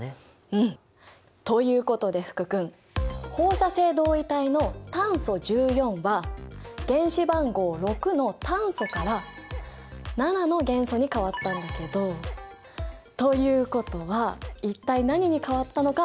うん！ということで福君放射性同位体の炭素１４は原子番号６の炭素から７の元素に変わったんだけどということは一体何に変わったのか分かるかな？